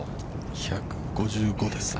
◆１５５ですね。